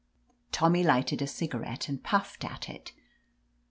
'' Tommy lighted a cigarette and puffed at it.